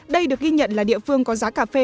đây được ghi nhận là địa phương có giá cà phê